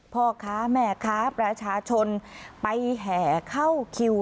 พ่อค้าแม่ค้าประชาชนไปแห่เข้าคิว